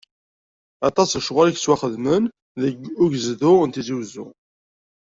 Aṭas n lecɣal yettwaxedmen deg ugezdu n Tizi Uzzu.